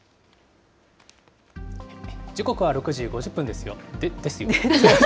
時刻は６時５０分ですよ。ですよ？